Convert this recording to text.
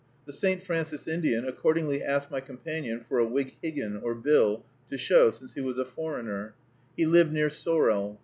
The St. Francis Indian accordingly asked my companion for a wighiggin, or bill, to show, since he was a foreigner. He lived near Sorel.